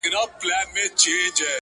راسه يوار راسه صرف يوه دانه خولگۍ راكړه’